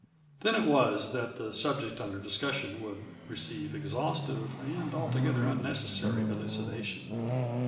Then it was that the subject under discussion would receive exhaustive, and altogether unnecessary, elucidation.